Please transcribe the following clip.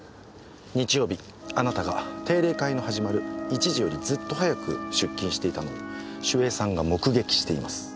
日曜日あなたが定例会の始まる１時よりずっと早く出勤していたのを守衛さんが目撃しています。